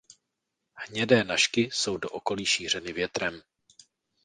Hnědé nažky jsou do okolí šířeny větrem.